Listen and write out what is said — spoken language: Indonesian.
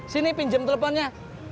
sini pinjam teleponnya